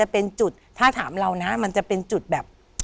เป็นจุดแบบ